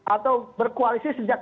atau berkoalisi sejak